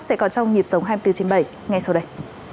sẽ có trong nhịp sống hai mươi bốn trên bảy ngay sau đây